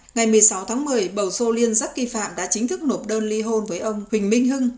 ngày một mươi sáu tháng một mươi bầu sô liên giác kỳ phạm đã chính thức nộp đơn ly hôn với ông huỳnh minh hưng